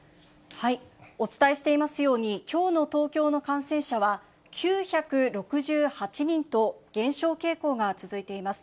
お伝えしていますように、きょうの東京の感染者は９６８人と減少傾向が続いています。